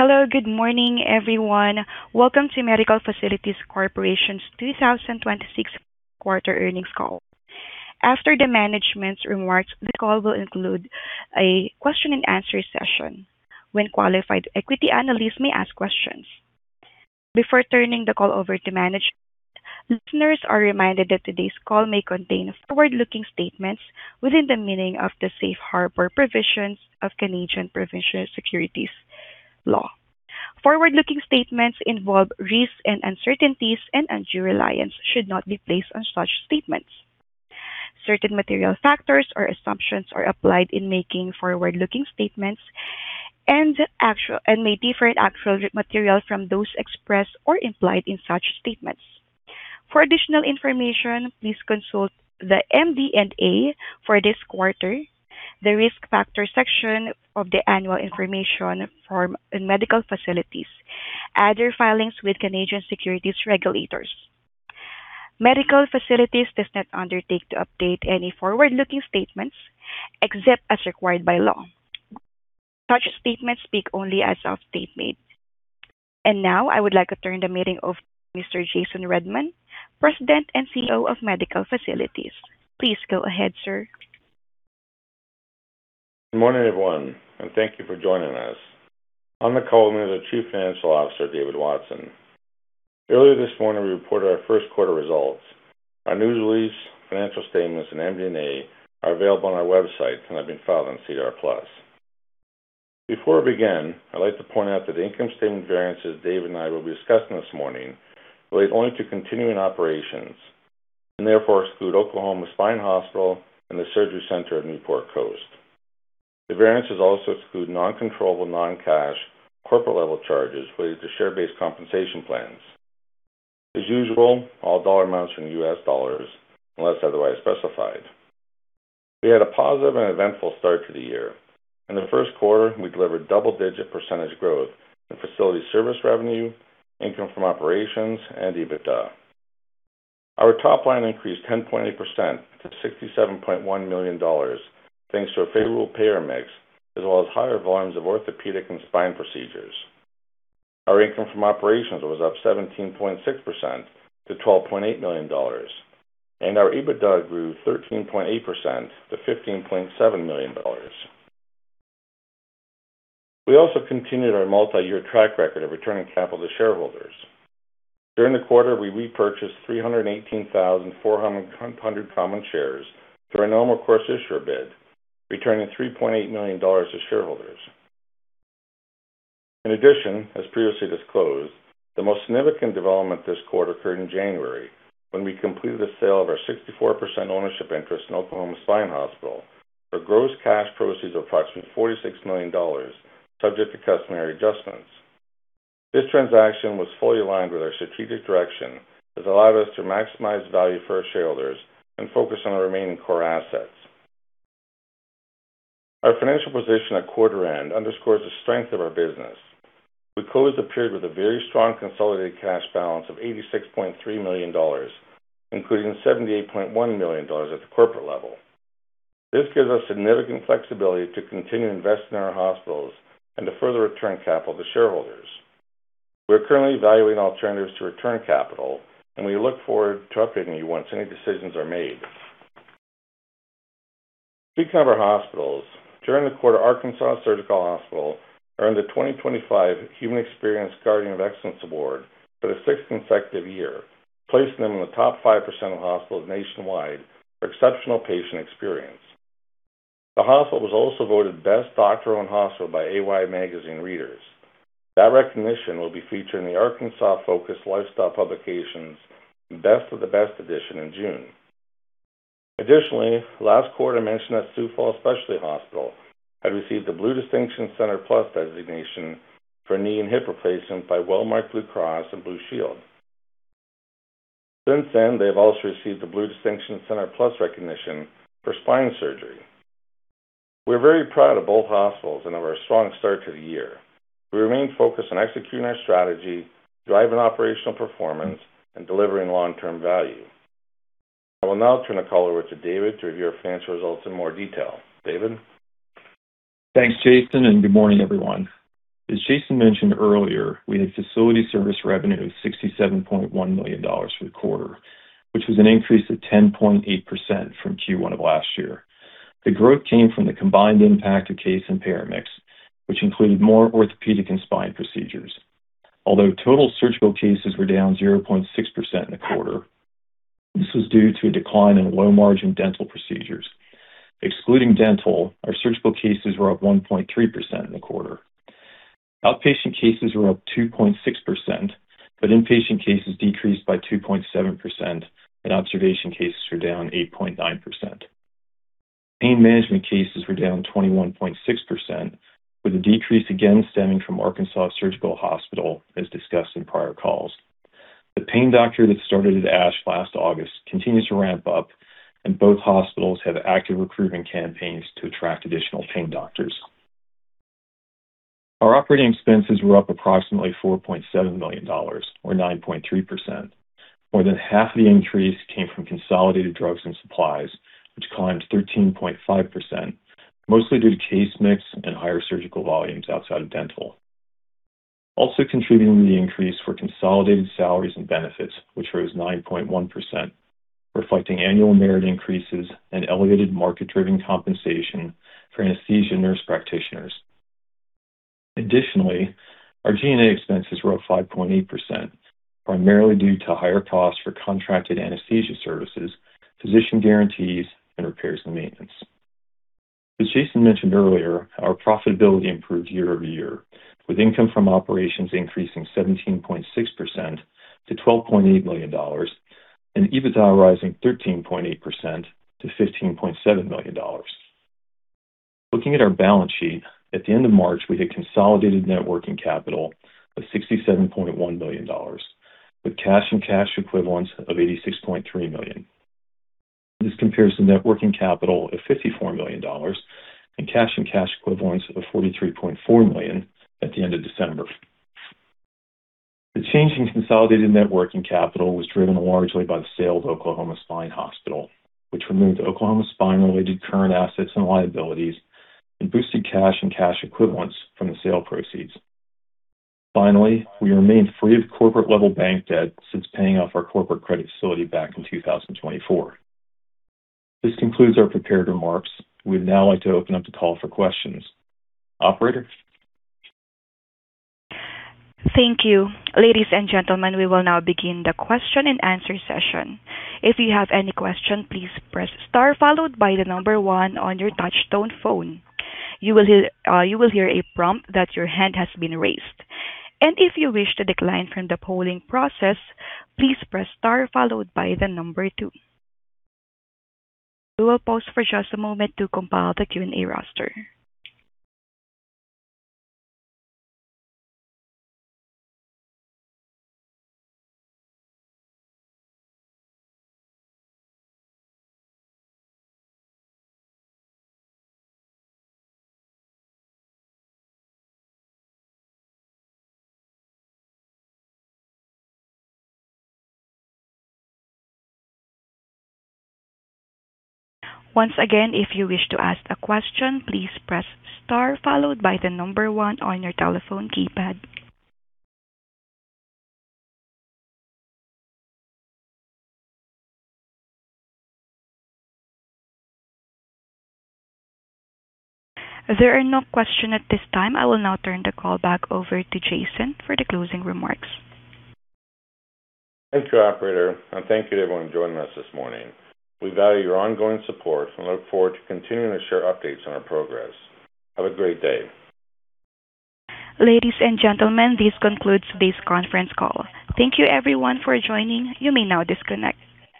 Hello. Good morning, everyone. Welcome to Medical Facilities Corporation's 2026 quarter earnings call. After the management's remarks, this call will include a question and answer session when qualified equity analysts may ask questions. Before turning the call over to management, listeners are reminded that today's call may contain forward-looking statements within the meaning of the safe harbor provisions of Canadian provincial securities law. Forward-looking statements involve risks and uncertainties. Undue reliance should not be placed on such statements. Certain material factors or assumptions are applied in making forward-looking statements and may differ in actual material from those expressed or implied in such statements. For additional information, please consult the MD&A for this quarter, the Risk Factors section of the annual information form in Medical Facilities, other filings with Canadian securities regulators. Medical Facilities does not undertake to update any forward-looking statements except as required by law. Such statements speak only as of date made. Now I would like to turn the meeting over to Mr. Jason Redman, President and CEO of Medical Facilities. Please go ahead, sir. Good morning, everyone. Thank you for joining us. On the call with me is the Chief Financial Officer, David Watson. Earlier this morning, we reported our first quarter results. Our news release, financial statements, and MD&A are available on our website and have been filed on SEDAR+. Before we begin, I'd like to point out that the income statement variances Dave and I will be discussing this morning relate only to continuing operations, and therefore exclude Oklahoma Spine Hospital and Newport Coast Surgery Center. The variances also exclude non-controllable, non-cash corporate-level charges related to share-based compensation plans. As usual, all dollar amounts are in US dollars unless otherwise specified. We had a positive and eventful start to the year. In the first quarter, we delivered double-digit % growth in facility service revenue, income from operations, and EBITDA. Our top line increased 10.8% to $67.1 million, thanks to a favorable payer mix as well as higher volumes of orthopedic and spine procedures. Our income from operations was up 17.6% to $12.8 million, and our EBITDA grew 13.8% to $15.7 million. We also continued our multi-year track record of returning capital to shareholders. During the quarter, we repurchased 318,400 common shares through our normal course issuer bid, returning $3.8 million to shareholders. In addition, as previously disclosed, the most significant development this quarter occurred in January when we completed the sale of our 64% ownership interest in Oklahoma Spine Hospital for gross cash proceeds of approximately $46 million, subject to customary adjustments. This transaction was fully aligned with our strategic direction, has allowed us to maximize value for our shareholders and focus on our remaining core assets. Our financial position at quarter end underscores the strength of our business. We closed the period with a very strong consolidated cash balance of $86.3 million, including $78.1 million at the corporate level. This gives us significant flexibility to continue investing in our hospitals and to further return capital to shareholders. We are currently evaluating alternatives to return capital, and we look forward to updating you once any decisions are made. Speaking of our hospitals, during the quarter, Arkansas Surgical Hospital earned the 2025 Human Experience Guardian of Excellence Award for the 6th consecutive year, placing them in the top 5% of hospitals nationwide for exceptional patient experience. The hospital was also voted Best Doctor-Owned Hospital by AY Magazine readers. That recognition will be featured in the Arkansas Focused Lifestyle Publications Best of the Best edition in June. Additionally, last quarter, I mentioned that Sioux Falls Specialty Hospital had received the Blue Distinction Center+ designation for knee and hip replacement by Wellmark Blue Cross and Blue Shield. Since then, they have also received the Blue Distinction Center+ recognition for spine surgery. We're very proud of both hospitals and of our strong start to the year. We remain focused on executing our strategy, driving operational performance, and delivering long-term value. I will now turn the call over to David to review our financial results in more detail. David? Thanks, Jason, and good morning, everyone. As Jason mentioned earlier, we had facility service revenue of $67.1 million for the quarter, which was an increase of 10.8% from Q1 of last year. The growth came from the combined impact of case and payer mix, which included more orthopedic and spine procedures. Although total surgical cases were down 0.6% in the quarter, this was due to a decline in low-margin dental procedures. Excluding dental, our surgical cases were up 1.3% in the quarter. Outpatient cases were up 2.6%, but inpatient cases decreased by 2.7% and observation cases were down 8.9%. Pain management cases were down 21.6%, with a decrease again stemming from Arkansas Surgical Hospital, as discussed in prior calls. The pain doctor that started at ASH last August continues to ramp up, and both hospitals have active recruiting campaigns to attract additional pain doctors. Our operating expenses were up approximately $4.7 million or 9.3%. More than half of the increase came from consolidated drugs and supplies, which climbed 13.5%, mostly due to case mix and higher surgical volumes outside of dental. Also contributing to the increase were consolidated salaries and benefits, which rose 9.1%, reflecting annual merit increases and elevated market-driven compensation for anesthesia nurse practitioners. Additionally, our G&A expenses rose 5.8%, primarily due to higher costs for contracted anesthesia services, physician guarantees, and repairs and maintenance. As Jason mentioned earlier, our profitability improved year-over-year, with income from operations increasing 17.6% to $12.8 million and EBITDA rising 13.8% to $15.7 million. Looking at our balance sheet, at the end of March, we had consolidated net working capital of $67.1 million, with cash and cash equivalents of $86.3 million. This compares to net working capital of $54 million and cash and cash equivalents of $43.4 million at the end of December. The change in consolidated net working capital was driven largely by the sale of Oklahoma Spine Hospital, which removed Oklahoma Spine-related current assets and liabilities and boosted cash and cash equivalents from the sale proceeds. Finally, we remain free of corporate-level bank debt since paying off our corporate credit facility back in 2024. This concludes our prepared remarks. We'd now like to open up the call for questions. Operator? Thank you. Ladies and gentlemen, we will now begin the question-and-answer session. If you have any question, please press star followed by the number 1 on your touch-tone phone. You will hear a prompt that your hand has been raised. If you wish to decline from the polling process, please press star followed by the number 2. We will pause for just a moment to compile the Q&A roster. Once again, if you wish to ask a question, please press star followed by the number 1 on your telephone keypad. As there are no question at this time, I will now turn the call back over to Jason for the closing remarks. Thank you, operator, and thank you to everyone joining us this morning. We value your ongoing support and look forward to continuing to share updates on our progress. Have a great day. Ladies and gentlemen, this concludes this conference call. Thank you everyone for joining. You may now disconnect.